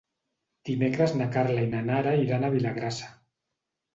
Dimecres na Carla i na Nara iran a Vilagrassa.